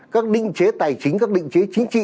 các định chế tài chính các định chế chính trị